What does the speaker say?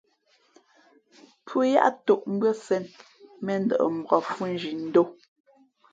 Pʉ̄h yáʼ tōʼ mbʉ́ά sēn , mēndαʼ mbak fhʉ̄nzhi ndǒ.